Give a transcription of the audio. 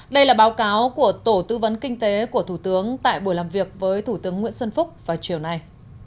đây là báo cáo của tổ tư vấn kinh tế của thủ tướng tại buổi làm việc với thủ tướng nguyễn xuân phúc vào chiều nay